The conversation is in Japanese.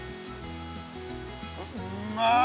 うまい。